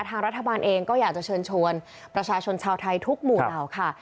ทางรัฐบาลเองก็อยากจะเชิญชวนประชาชนชาวไทยทุกหมู่เหล่าค่ะ